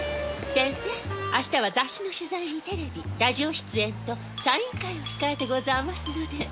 センセ明日は雑誌の取材にテレビラジオ出演とサイン会を控えてござあますので。